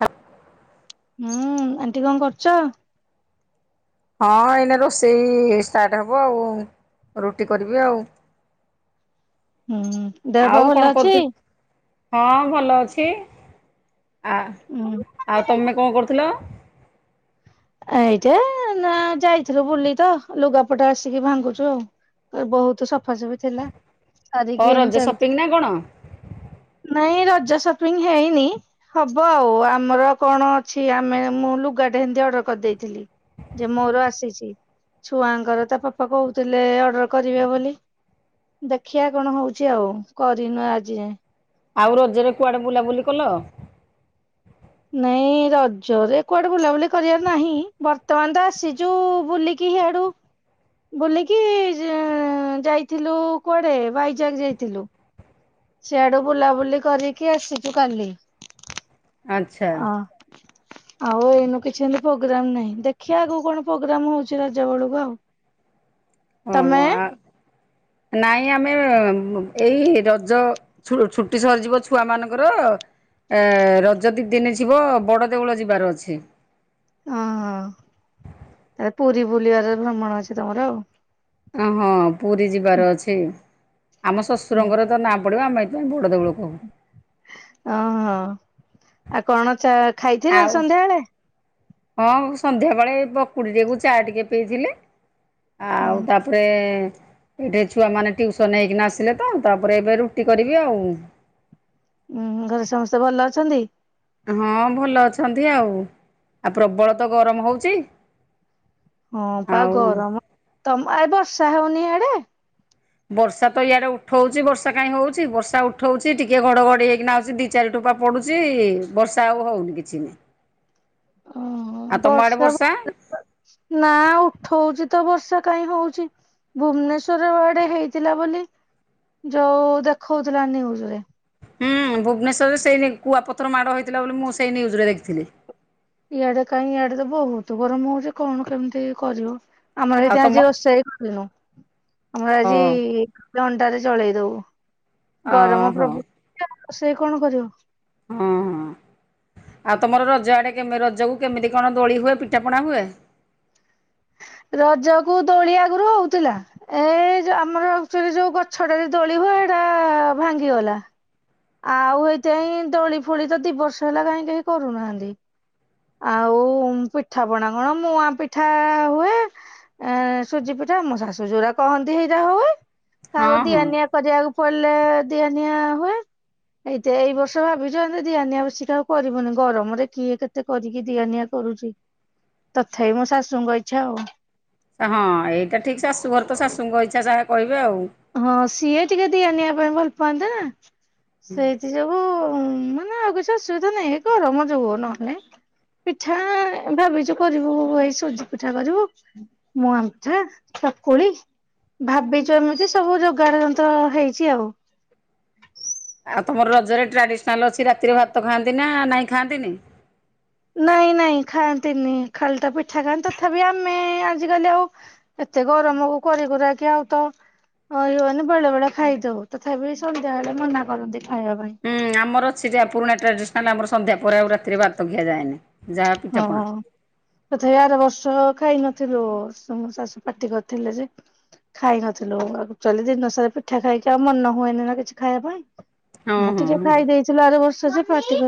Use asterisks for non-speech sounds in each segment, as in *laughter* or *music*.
ହ। *inaudible* ହୁଁ ଆଣ୍ଟି କଣ କରୁଛ? ହଁ ଏଇନେ ରୋଷେଇ ଷ୍ଟାର୍ଟ ହେବ ଆଉ ରୁଟି କରିବି ଆଉ। ହୁଁ ଦେହ ପା ଆଉ ଭଲ କଣ ଅଛି? କରୁଥିଲୁ ହଁ ଭଲ ଅଛି, ଆ ହୁଁ। ଆଉ ତମେ କଣ କରୁଥିଲ? ଏଇଟା ନା ଯାଇଥିଲୁ ବୁଲି ତ। ଲୁଗାପଟ ଆସିକି ଭାଙ୍ଗୁଛୁ ଆଉ। ବହୁତ ସଫା ସଫି ଥିଲା ଓ ସାରିକି ରଜ ଏଇନା ଚାଲି ସପିଙ୍ଗ ନା କଣ? ନାଇଁ ରଜ ସପିଂ ହେଇନି। ହବ ଆଉ ଆମର କଣ ଅଛି ଆମେ ମୁଁ ଲୁଗାଟେ ଏମତି ଅର୍ଡର କରିଦେଇଥିଲି ଯେ ମୋର ଆସିଛି। ଛୁଆଙ୍କର ତା ପାପା କହୁଥିଲେ ଅର୍ଡର କରିବେ ବୋଲି ଦେଖିବା କଣ ହଉଛି ଆଉ କରିନୁ ଆଜି ଯାଏଁ ଆଉ ରଜରେ କୁଆଡ଼େ ବୁଲାବୁଲି କଲ? ନାଇଁ ରଜରେ କୁଆଡେ ବୁଲାବୁଲି କରିବାର ନାହିଁ। ବର୍ତ୍ତମାନ ତ ଆସିଛୁ ବୁଲିକି କି ହେ ଆଡୁ ବୋଲିକି ଯାଇଥିଲୁ କୁଆଡେ ବାଇଜାଗ ଯାଇଥିଲୁ। ସିଆଡୁ ବୁଲାବୁଲି କରିକି ଆସିଛୁ କାଲି। ଆଚ୍ଛା ଅ ଆଉ ଏଇନୁ କିଛି ଏମତି ପ୍ରୋଗ୍ରାମ ନାହିଁ। ଦେଖିବା ଆଗକୁ କଣ ପ୍ରୋଗ୍ରାମ ହଉଛି ରାଜ ବେଳକୁ ଆଉ। *unintelligible* ଓ ତମେ ନାଇଁ ଆମେ ଏଇ ରଜ ଛୁଟି ସରିଯିବ ଛୁଆ ମାନଙ୍କର ଏ ରଜ ଦି ଦିନ ଯିବ ବଡ଼ ଦେଉଳ ଯିବାର ଅଛି। ଓ ହୋ ତାହେଲେ ପୁରୀ ବୁଲିବାର ଭ୍ରମଣ ଅଛି ତମର ଆଉ। ଅ ହଁ ପୁରୀ ଯିବାର ଅଛି ଆମ ଓହୋ ଶ୍ୱଶୁରଙ୍କର ତ ନା ପଡ଼ିବ ଆମେ ହେଇଥିପାଇଁ ଏ ବଡ଼ ଦେଉଳକୁ ଓହୋ ଆଉ କଣ ଚା ଖାଇଥିଲ ଆଉ ସନ୍ଧ୍ୟାବେଳେ? ହଁ ମୁ ସନ୍ଧ୍ୟାବେଳେ ପକୁଡ଼ି ଟିକେ କୁ ଚା ଟିକେ ପଇଥିଲେ। ଆଉ ତାପରେ ଏଠି ଛୁଆ ମାନେ ଟ୍ୟୁସନ ହେଇକିନା ଆସିଲେ ତ ତାପରେ ଏବେ ରୁଟି କରିବି ଆଉ। ଉୁଁ ଘରେ ସମସ୍ତେ ଭଲ ଅଛନ୍ତି? ହଁ ଭଲ ଅଛନ୍ତି ଆଉ। ଆଉ ପ୍ରବଳ ତ ଗରମ ହଉଛି। ହଁ ପା ଆଉ ଗରମ, ତମ ଆ ବର୍ଷା ହଉନି ହେଆଡେ। ବର୍ଷା ତ ଇଆଡେ ଉଠଉଛି ବର୍ଷା କାହିଁ ହଉଛି? ବର୍ଷା ଉଠଉଛି ଟିକେ, ଘଡଘଡି ହେଇକି ନା ଆଉଛି ଦି ଚାରି ଟୋପା ପଡ଼ୁଛି ବର୍ଷା ଆଉ ହେଉନି କିଛି ନାହିଁ। ଓଁ ଆଉ ତମ ଆଡ଼େ ବର୍ଷା ନା ଉଠଉଛି ତ ବର୍ଷା କାହିଁ ହଉଚି। ଭୁବନେଶ୍ଵର ଆଡେ ହେଇଥିଲା ବୋଲି, ଯୋଉ ଦେଖଉଥିଲା ନିଉଜରେ। ହୁଁ ଭୁବନେଶ୍ୱରରେ ସେଇ କୁଆପଥର ମାଡ଼ ହୋଇଥିଲା ବୋଲି, ମୁଁ ସେଇ ନ୍ୟୁଜରେ ଦେଖିଥିଲି। ଇଆଡେ କାହିଁ ଇଆଡେ ତ ବହୁତ ଗରମ ହଉଛି କଣ କେମିତି କରିବ। ଆମର ଆଉ ହେଇଛି ତମ ଆଜି ରୋଷେଇ ହିଁ କରିନୁ ଆମର ଆଜି ହଁ ଲଣ୍ଡାରେ ଚଳେଇଦବୁ, ଗରମ ଓହୋ ପ୍ରଭୃତି ରୋଷେଇ ସେ କଣ କରିବ? ହଁ ହଁ ଆଉ ତୁମର ରଜ ଆଡ଼େ କେମ, ରଜକୁ କେମିତି କଣ ଦୋଳି ହୁଏ ପିଠାପଣା ହୁଏ? ରଜ କୁ ଦୋଳି ଆଗରୁ ହଉଥିଲା। ଏ ଯୋଉ ଆମର ଆକଚୁଆଲି ଯୋଉ ଗଛଟାରେ ଦୋଳି ହୁଏ ଏଇଟା ଭାଙ୍ଗିଗଲା। ଆଉ ଏଇଥିପାଇଁ ଦୋଳି ଫୁଳି ତ ଦି ବର୍ଷ ହେଲା କାହିଁ କେହି କରୁନାହାନ୍ତି। ଆଉ ପିଠାପଣା କଣ ମୁଆ ପିଠା ହୁଏ। ଏ ସୁଜି ପିଠା ଆମ ଶାଶୁ ଯୋଉୁରା କହନ୍ତି ସେଇଟା ହୁଏ। ଆଉ ହଁ ହଁ ଦିଆନିଆ କରିବାକୁ ପଡିଲେ ଦିଆ ନିିଆ ହୁଏ। ଏଇତ ଏଇ ବର୍ଷ ଭାବିଛୁ ଆଉ ଦିଆନିଆ ବେଶୀ ଆଉ କରିବୁନି ଗରମରେ କିଏ କେତେ ଏତେ କରିକି ଦିଆ ନିିଆ କରୁଛି, ତଥାପି ମୋ ଶାଶୁଙ୍କ ଇଚଛା ଆଉ। ହଁ ଏଇଟା ଠିକ୍ ଶାଶୁଘର ତ ଶାଶୁଙ୍କ ଇଚ୍ଛା ଯାହା କହିବେ ଆଉ ହଁ ସିଏ ଟିକେ ଦିଆନିଆ ପାଇଁ ଭଲ ପାଆନ୍ତି ନା ସେ ସେ ଯବୁ ମାନେ ଆଉ କିଛି ଅସୁବିଧା ନାହିଁ ଏ ଗରମ ଯୋଗୁ ଉ ନହେଲେ ପିଠା ଭାବିଛୁ କରିବୁ ଏଇ ସୁଜି ପିଠା କରିବୁ। ମୁଁ ଆମଠା ଚକୁଳି ଭାବିଛୁ ଏମିତି ସବୁ ଯୋଗାଡ଼ ଯନ୍ତ୍ର ହେଇଛି ଆଉ। ଆଉ ତମର ରଜରେ ଟ୍ରାଡିସନାଲ୍ ଅଛି ରାତିରେ ଭାତ ଖାଆନ୍ତି ନା ନାଇଁ ଖାଆନ୍ତିନି? ନାଇଁ ନାଇଁ ଖାଆନ୍ତିନି ଖାଲି ତ ପିଠା ଖାଆନ୍ତି ତଥାପି ଆମେ ଆଜିକାଲି ଆଉ ଏତେ ଗରମକୁ କରି କୁରାକି ଆଉ ତ ହଁ ହ ମାନେ ବେଳେ ବେଳେ ଖାଇଦଉ ତଥାପି ସନ୍ଧ୍ୟା ବଳେ ମନା କରନ୍ତି ଖାଇବା ପାଇଁ। ହୁଁ ଆମର ଅଛିଯା ପୁରୁଣା ଟ୍ରାଡିସନାଲ୍ ଆମର ସନ୍ଧ୍ୟା ପରେ ଆଉ ରାତିରେ ଭାତ ଖିଆଯାଏନି। ଯାହା ପିଠାପଣା। ହଁ। ତଥାପି ଆର ବର୍ଷ ଖାଇନଥିଲୁ ଶାଶୁ ପାଟି କରିଥିଲେ ଯେ। ଖାଇ ନଥିଲୁ ଆକ୍ଚୁଆଲି ଦିନ ସାରା ପିଠା ଖାଇକି ଆଉ ମନ ହୁଏନି ନା କିଛି ଖାଇବା ପାଇଁ। ହଁ ଟିକେ ଖାଇ ଦେଇେଛି ଆର ବର୍ଷ ସେ ପାର୍ଟି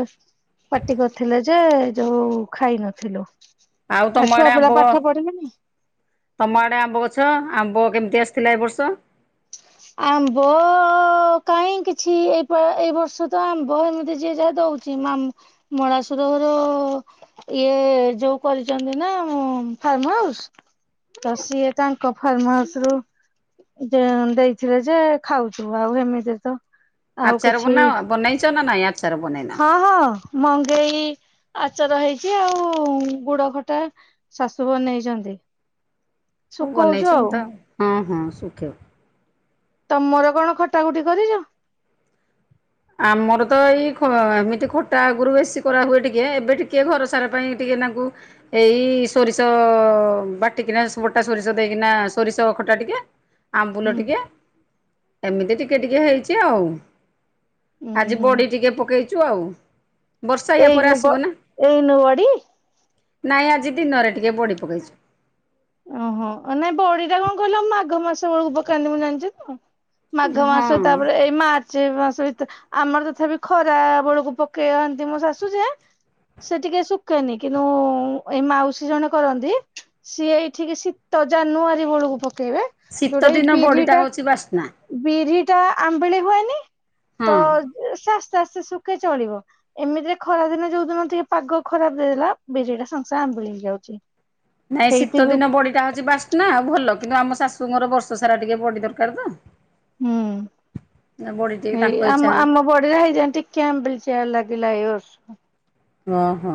ପାର୍ଟି କରିଥିଲେ ଯେ ଯୋଉ ଖାଇନଥିଲୁ। ତମ ଆଉ ଛୁଆ ଆଡେ ଆମ୍ବ *unintelligible* ପାଠ ପଢିବେନି? ତମ ଆଡ଼େ ଆମ୍ବ ଗଛ ଆମ୍ବ କେମିତି ଆସିଥିଲା ଏ ବର୍ଷ? ହ ଆମ୍ବ କାହିଁ କିିଛି ଏଇ ଏଇ ବର୍ଷ ତ ଆମ୍ବ ଏମିତି ଯିଏ ଯାହା ଦଉଛି ମା ମଳାସୁର ଘର ଇଏ ଯୋଉ କରିଛନ୍ତି ନା ଫାର୍ମ ହାଉସ। ତ ସିଏ ତାଙ୍କ ଫାର୍ମାହାଉସରୁ ଦେଇଥିଲେ ଯେ ଖାଉଛୁ ଆଉ ହେମିତି ତ ଆଉ ଆଚାର କିଛି ବନାଅ ବନେଇଛ ନା ନାଇ ଆଚାର ବନେଇନ? ହଁ ହଁ ମଙ୍ଗେଇ ଆଚାର ହେଇଛି ଆଉ ଗୁଡ ଖଟା ଶାଶୁ ବନେଇଛନ୍ତି ହଉ ଶୁ କଉଛୁ ବନେଇଛନ୍ତି ଆଉ। ତ ହଁ ହଁ ସୁଖେ ତମର କଣ ଖଟା ଖଟି କରିଚ? ଆମର ତ ଏଇ ଏମିତି ଖଟା ଆଗରୁ ବେଶୀ କରାହୁଏ ଟିକେ ଏବେ ଟିକେ ଘର ସାରା ପାଇଁ ଟିକେ ନାଙ୍କୁ ଏଇ ସୋରିଷ ବାଟିକିନା ବଟା ସୋରିଷ ଦେଇକିନା ସୋରିଷ ଅ ଖଟା ଟିକେ ହ ଆମ୍ବୁଲ ଟିକେ ଏମିତି ଟିକେ ଟିକେ ହେଇଛି ଆଉ। ହୁଁ ଆଜି ହୁଁ ବଡି ଟିକେ ପକେଇଛୁ ଆଉ ବର୍ଷା ୟା ପରେ ଏଇନୁ ବ ଆସିବ ନା। ଏଇନୁ ବଡି? ନାଇଁ ଆଜି ଦିନରେ ଟିକେ ବଡ଼ି ପକେଇଛୁ। ଓହୋ ନାଇଁ ବଡି ଟା କଣ କହିଲ ଆଉ ମାଘ ମାସ ବେଳକୁ ପକେଇନ ମୁଁ ଜାଣିଛି ତ। ମାଘ ମାସ ହଁ। ତାପରେ ଏଇ ମା ର୍ଚ୍ଚ ସେ ମାସ ଭିତରେ ଆମର ତଥାପି ଖରା ବେଳକୁ ପକେଇନ୍ତି ମୋ ଶାଶୁ ଯେ ସେ ଟିକେ ଶୁଖେନି କିନ୍ତୁ ଏଇ ମାଉସୀ ଜଣେ କରନ୍ତି ସିଏ ଏଇ ଠିକି ଶୀତ ଜାନୁଆରୀ ବେଳକୁ ପକେଇବେ। ଶୀତ ଦିନ ବଡିଟା ହଉଛି ବାସ୍ନା। ବିରି ଟା ଆମ୍ବିଳି ହୁଏନି ତ ହଁ। ସେ ଆସ୍ତେ ଆସ୍ତେ ଶୁଖେ ଚଳିବ। ଏମିତିରେ ଖରା ଦିନ ଯୋଉ ଦିନ ଟିକେ ପାଗ ଖରାପ ଦେଇଦେଲା ବିରି ଇରା ସାଙ୍ଗେ ସାଙ୍ଗେ ଆମ୍ୱିଳି ହେଇଯାଉଛି। ନାଇଁ ହେଇଥି ଶୀତ ଯୋଉ ଦିନ ବଡିଟା ହଉଛି ବାସ୍ନା ଆଉ ଭଲ କିନ୍ତୁ ଆମ ଶାଶୁଙ୍କର ବର୍ଷ ସାରା ଟିକେ ବଡି ଦରକାର ତ। ନା ବଡି ଟିକେ ହୁଁ ତାଙ୍କ ଏଇ ଇଚ୍ଛା ଆମ ଅନୁ ଆମ ବଡିରେ ହେଇଯାଆନ୍ତି ଟେ ଟିକେ ଆମ୍ବିଲ ଚିଆ ଲାଗିଲା ଏଇ ବର୍ଷ। ଓହୋ।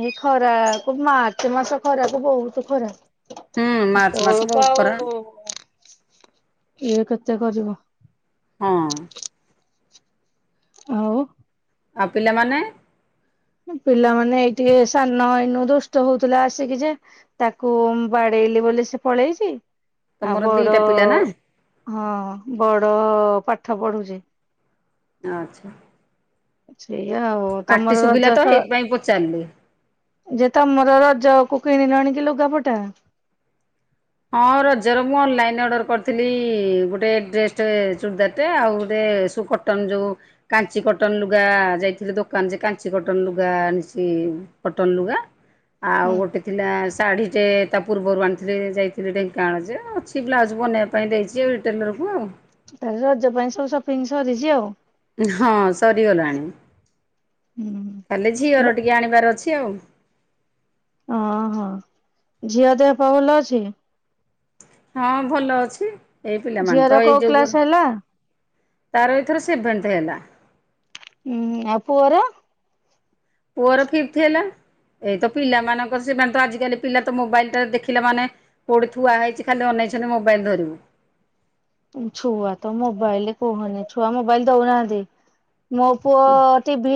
ଏ ଖରା କୁ ମାର୍ଚ୍ଚ ମାସ ଖରାକୁ ବହୁତ ଖରା। ହୁଁ ମାର୍ଚ୍ଚ ମାସ ଅଳପ ବହୁତ ଖରା ଆଉ ଇଏ କେତେ କରିବ। ହଁ। ଆଉ ଆଉ ପିଲାମାନେ ପିଲାମାନେ ଏଇ ଟିକେ ସାନ ଏଇନୁ ଦୁଷ୍ଟ ହଉଥିଲା ଆସିକି ଯେ ତାକୁ ବାଡେଇଲି ବୋଲି ସେ ପଳେଇଛି, ଆଉ ତମର ଦିଟା ବଡ ପିଲା ନା ହଁ ବଡ ପାଠ ପଢୁଛି। ଆଚ୍ଛା। ଛେଇଆ ଆଉ। ତମର ପାଟି ରଜ ଶୁଭିଲା ତ ସ ହେଇଥିପାଇଁ ପଚାରିଲି। ଯେ ତମର ରଜ କୁ କିଣିଲଣି କି ଲୁଗାପଟା? ହଁ ରଜର ମୁଁ ଅନଲାଇନ ଅର୍ଡ଼ର କରିଥିଲି ଗୋଟେ ଡ୍ରେସଟେ ଚୁରଦାରଟେ, ଆଉ ଗୋଟେ ସୁକଟ କଟନ ଯୋଉ କାଞ୍ଚି କଟନ ଲୁଗା ଯାଇଥିଲେ ଦୋକାନ ଯେ କାଞ୍ଚି କଟନ ଲୁଗା ଆଣିଚି କଟନ ଲୁଗା, ଆଉ ହୁଁ। ଗୋଟେ ଥିଲା ଶାଢ଼ୀ ଟେ ତା ପୂର୍ବରୁ ଆଣିଥିଲେ ଯାଇ ଥିଲି *unintelligible* ଯେ ଅଛି ବ୍ଲାଉଜ୍ ବନେଇବା ପାଇଁ ଦେଇଛି ଟେଲରକୁ ଆଉ। ତାହେଲେ ରଜ ପାଇଁ ସବୁ ସପିଙ୍ଗ ସରିଛି ଆଉ? ହଁ ସରିଗଲାଣି ହୁଁ। ଖାଲି ଝିଅର ଟିକେ ଆଣିବାର ଅଛି ଆଉ। ଓହୋ ଝିଅ ଦେହ ପାହ ଭଲ ଅଛି? ହଁ ଭଲ ଅଛି ଏଇ ପିଲାମାନେ ଝିଅର ତ ଏଇ କୋଉ କ୍ଲାସ ଯୋଗୁରୁ ହେଲା? ତାର ଏଇଥର ସେଭେନଥ ହେଲା। ହୁଁ ଆଉ ପୁଅର? ପୁଅର ଫିପଥ ହେଲା। ଏଇତ ପିଲାମାନଙ୍କର ସେମାନେ ତ ଆଜିକାଲି ପିଲା ତ ମୋବାଇଲ ତ ଦେଖିଲେ ମାନେ। କୋଉଠି ଥୁଆ ହେଇଛି ଖାଲି ଅନେଇଛନ୍ତି ମୋବାଇଲ ଧରିବୁ। ଛୁଆ ତ ମୋବାଇଲ କୁହନି ଛୁଆ ମୋବାଇଲ ଦଉନାହାନ୍ତି। ମୋ ପୁଅ ଟିଭି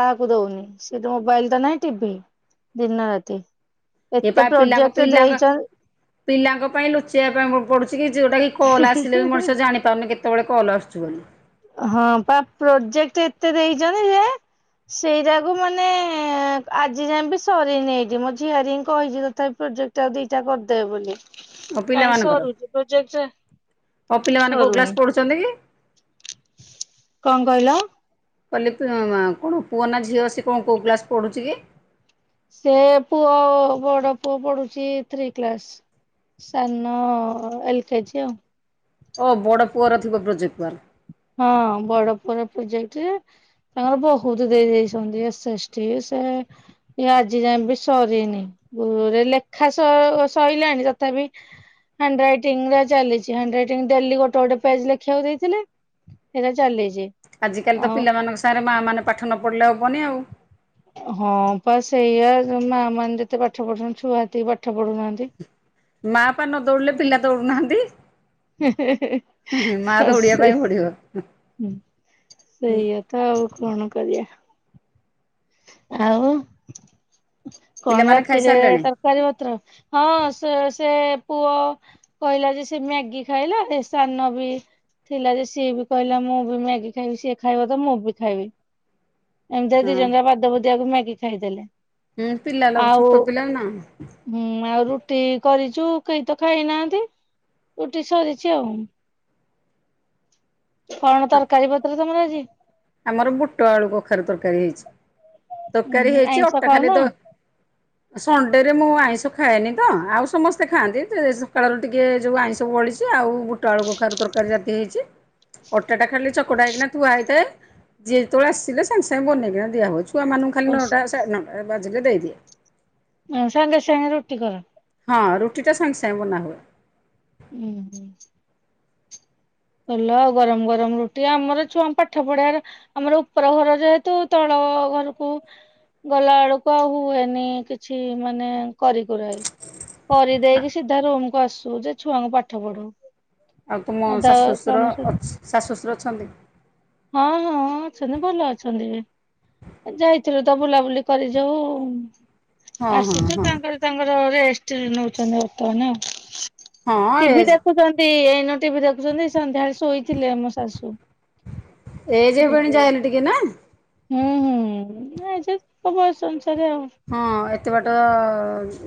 କାହାକୁ ଦଉନି ସେଇଟୁ ମୋବାଇଲ ତ ନାହିଁ ଟିଭି ଦିନ ରାତି ଏ ଏତେ ପା ପିଲାଙ୍କ ପ୍ରୋଜେକ୍ଟ ପିଲାଙ୍କ ଦେଇଛ ପିଲାଙ୍କ ପାଇଁ ଲୁଚେଇବା ପାଇଁ ପଡୁଛି କି ଯୋଉଟା କି କଲ ଆସିଲେ ବି ଦେଇଛନ୍ତି ମଣିଷ ଜାଣି ପାରୁନି କେତେବେଳେ କଲ୍ ଆସୁଚି ବୋଲି। ହଁ ବା ପ୍ରୋଜେକ୍ଟ ଏତେ ଦେଇଛନ୍ତି ଯେ ସେଇଟାକୁ ମାନେ ଆଜି ଯାଏ ବି ସରିନି ଏଠି ମୋ ଝିଆରିଙ୍କି କହିଛି ତଥାପି ପ୍ରୋଜେକ୍ଟ ଦିଇଟା କରିଦେବ ବୋଲି। ମୋ କାଇଁ ପିଲାମାନଙ୍କର ସରୁଛି ପ୍ରୋଜେକ୍ଟ ସରୁନି। ଛନ୍ତି କି? କଣ କହିଲ? କହିଲି କଣ ପୁଅ ନା ଝିଅ ଅଛି କଣ କୋଉ କ୍ଲାସ୍ ପଢ଼ୁଛି କି? ସେ ପୁଅ ବଡ ପୁଅ ପଢୁଛି ଥ୍ରୀ କ୍ଲାସ୍। ସାନ ଏଲ କେଜି ଆଉ। ଓ ବଡ଼ ପୁଅର ଥିବ ପ୍ରୋଜେକ୍ଟ ୱାକ୍? ହଁ ବଡପୁଅର ପ୍ରୋଜେକ୍ଟ। ତାଙ୍କର ବହୁତ ଦେଇ ଦେଇଛନ୍ତି ଏସ ଏସ ଟି ସେ ଆଜି ଯାଏ ବି ସରିନି ଗୁରୁରେ ଲେଖା ସ ସଇଲାଣି ତଥାପି ହ୍ୟାଣ୍ଡରାଇଟିଙ୍ଗ ରା ଚାଲିଛି ହଣ୍ଡରାଇଟିଙ୍ଗ ଡେଲି ଗୋଟେ ଗୋଟେ ପେଜ ଲେଖିବାକୁ ଦେଇଥିଲେ। ସେଇଟା ଚାଲିଛି। ଆଜିକାଲି ତ ଆଉ ପିଲାମାନଙ୍କ ସାଙ୍ଗରେ ମାଆ ମାନେ ପାଠ ନ ପଢ଼ିଲେ ହବନି ଆଉ। ହଁ ବା ସେଇଆ ଯଉ ମା ମାନେ ଯେତେ ପାଠ ପଢ଼ୁଛନ୍ତି ଛୁଆ ହେତିକି ପାଠ ପଢୁନାହାନ୍ତି। ମା ବା ନ ଦୌଡିଲେ ପିଲା ଦୌଡୁନାହାନ୍ତି। ହେ ହେ ହେ ମା ହଁ ଦୌଡିବା ପାଇଁ ପଡିବ ସେଇଆ। ତ ଆଉ କଣ କରିଆ। ଆଉ କଣ ପିଲାମାନେ ରାତିରେ ଖାଇସାରିଲେଣି ତ କାରୀ ରାତିରେ ହଁ ସେ ସେ ପୁଅ କହିଲା ଯେ ସେ ମ୍ୟାଗି ଖାଇଲା ଏ ସାନ ବି ଥିଲା ଯେ ସିଏ ବି କହିଲା ମୁଁ ବି ମ୍ୟାଗି ଖାଇବି ସିଏ ଖାଇବ ତ ମୁଁ ବି ଖାଇବି। ଏମିତି ଦିଇ ହଁ। ଜଣ ବାଦ ବୁଦିଆକୁ ମ୍ୟାଗି ଖାଇଦେଲେ। ହୁଁ ପିଲା ଲୋକ ଆଉ ଛୋଟୋ ପିଲା ନା। ହୁଁ ଆଉ ରୁଟି କରିଚୁ କେହି ତ ଖାଇନାହାନ୍ତି ରୁଟି ସରିଛି ଆଉ। କଣ ତରକାରୀ ପତ୍ର ତମର ଆଜି? ଆମର ବୁଟ ଆଳୁ କଖାରୁ ତରକାରୀ ହେଇଛି। ତରକାରୀ ଉଁହଁ ଆଇଁଷ ଖାଉନ। ସଣ୍ଡେ ରେ ମୁଁ ଆଇଁଷ ଖାଏନି ତ ଆଉ ସମସ୍ତେ ଖାଆନ୍ତି ଯେ ସକାଳୁ ରୁ ଟିକେ ଯୋଉ ଆଇଁଷ ବଳି ଚି ଆଉ ବୁଟ ଆଳୁ କଖାରୁ ତରକାରୀ ରାତି ହେଇଚି। ଅଟାଟା ଖାଲି ଚକଟା ହେଇକିନା ଥୁଆ ହେଇଥାଏ ଜିଏ ଯେତୋବୋଳେ ଆସିଲେ ସାଙ୍ଗେ ସାଙ୍ଗେ ବନେଇକିନା ଦିଆହୋଉଛି। ଛୁଆମାନଙ୍କୁ ଖାଲି ଓ ନଅଟା ସା ନଅଟା ବାଜିଲେ ଦେଇଦିଏ। *unintelligible* ସାଙ୍ଗେ ସାଙ୍ଗେ ରୁଟି କର। ହଁ ରୁଟିଟା ସାଙ୍ଗେ ସାଙ୍ଗେ ବନାହୁଏ। ଉଁହୁଁ। ଭଲ ଆଉ ଗରମ ଗରମ ରୁଟି ଆମର ଛୁଆ ପାଠ ପଢେବାରେ ଆମର ଉପର ଘର ଯେହେତୁ ତଳ ଘରୁକୁ ଗଲା ଆଳୁକୁ ଆଉ ହୁଏନି କିଛି ମାନେ କରି କୁରାଇ। ଆ- କରିଦେଇକି ସିଧା ରୁମକୁ ଆସୁ ଯେ ଛୁଆଙ୍କୁ ପାଠ ପଢ଼ୋଉ। ଆଉ ତୁମ ଶାଶୁ ଶଶୁର ଅଛ ଶାଶୁ ଶଶୁର ଅଛନ୍ତି। ହଁ ହଁ ଅଛନ୍ତି ଭଲ ଅଛନ୍ତି। ଏ ଯାଇଥିଲୁ ତ ବୁଲାବୁଲି କରି ଯୋଉ ହଁ ହଁ ଆସୁଛୁ ହଁ ତାଙ୍କର ତାଙ୍କର ରେଷ୍ଟେ ନୋଉଛନ୍ତି ବର୍ତ୍ତମାନ ଆଉ। ହଁ ଟିଭି ଏଜ୍ ଦେଖୁଛନ୍ତି ଏଇନୁ ଟିଭି ଦେଖୁଛନ୍ତି ସନ୍ଧ୍ୟାବେଳେ ଶୋଇଥିଲେ ମୋ ଶାଶୁ। ଏଜ୍ ହେବେଣି ଯୋଉ ଯାହା ହେଲେ ଟିକେ ନା। ହୁଁ ହୁଁ ଏଜ୍ ତାଙ୍କ ବୟସ ଅନୁସାରେ ଆଉ। ହଁ ଏତେ ବାଟ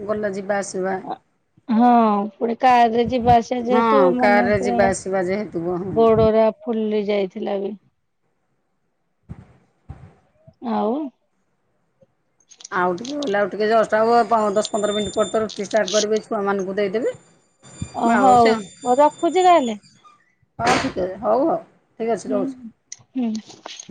ଗଲ ଯିବା ଆସିବା। ହଁ ଫୁଣି କାରରେ ଯିବା ଆସ୍ ହଁ ଯେହେତୁ ମାନେ କାରରେ ପୁରା ଯିବା ଆସିବା ଯେହେତୁ ହଁ ଗୋଡୋରା ଫୁଲି ଯାଇଥିଲା ବି। ଆଉ ଆଉ ଟିକିଏ ଗଲେ ଆଉ ଟିକିଏ ଜଷ୍ଟ ଆଉ ପ ଦଶ ପନ୍ଦର ମିନିଟ୍ ପରେ ତ ରୁଟି ଷ୍ଟାର୍ଟ କରିବି ଏଇ ଛୁଆମାନୁକୁ ଦେଇଦେବି। ଅ ହୋଉ ମୁଁ ରଖୁଚି ତାହେଲେ। *unintelligible* ହୋଉ ହୋଉ। ହୁଁ ହୁଁ ହୁଁ।